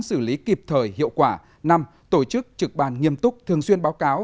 xử lý kịp thời hiệu quả năm tổ chức trực ban nghiêm túc thường xuyên báo cáo